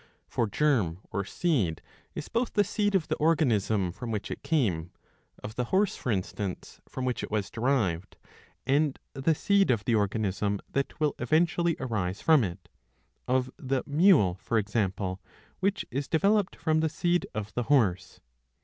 For germ or seed is both the seed of the organism from which it came, of the horse, for instance, from which it was derived, and the seed of the organism that will eventually arise from it, of the mule, for example, which is developed from the seed of the horse.